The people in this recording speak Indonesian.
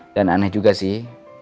dan aneh juga sih